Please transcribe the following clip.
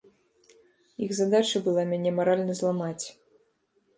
Іх задача была мяне маральна зламаць.